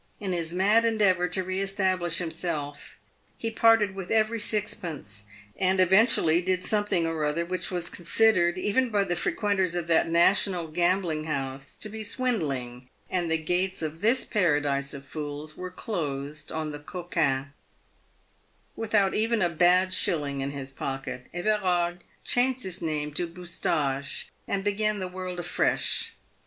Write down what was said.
In his mad endeavour to re establish himself, he parted with every sixpence, and eventually did something or other which was considered, even by the frequenters of that national gambling house, to be swindling, and the gates of this paradise of fools were closed on the " coquin" Without even a bad shilling in his pocket, Everard changed his name to Boustache, and began the world afresh.